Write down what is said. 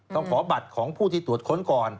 ต้องขอบัตรของผู้ที่ตรวจค้นก่อน